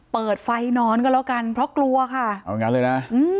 เปิดไฟนอนก็แล้วกันเพราะกลัวค่ะเอาอย่างงั้นเลยนะ